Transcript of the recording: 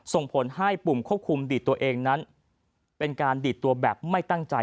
ส่งผลให้ปุ่มควบคุมดีดตัวเองนั้นเป็นการดีดตัวแบบไม่ตั้งใจ